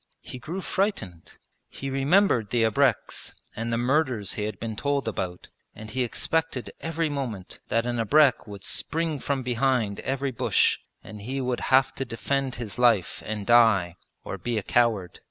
He grew frightened. He remembered the abreks and the murders he had been told about, and he expected every moment that an abrek would spring from behind every bush and he would have to defend his life and die, or be a coward.